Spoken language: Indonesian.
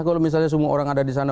kalau misalnya semua orang ada disana